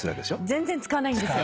全然使わないんですよ。